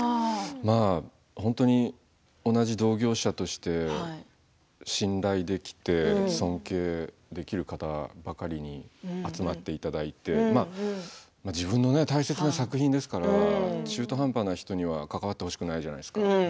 本当に同じ同業者として信頼できて尊敬できる方ばかりに集まっていただいて自分の大切な作品ですから中途半端な人には関わってほしくないじゃないですか。